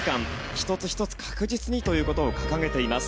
１つ１つ確実にということを掲げています。